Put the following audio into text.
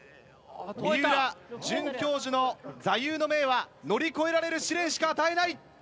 三浦准教授の座右の銘は「乗り越えられる試練しか与えない」。